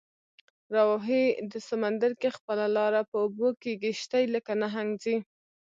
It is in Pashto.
راوهي په سمندر کې خپله لاره، په اوبو کې یې کشتۍ لکه نهنګ ځي